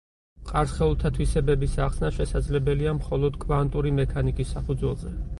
მყარ სხეულთა თვისებების ახსნა შესაძლებელია მხოლოდ კვანტური მექანიკის საფუძველზე.